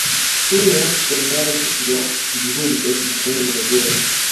Shule ya sekondari ya Mzumbe mkoani Morogoro